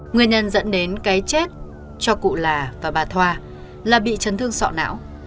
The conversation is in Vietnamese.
nguyên nhân dẫn đến cái chết cho cụ là và bà thoa là bị chấn thương sọ não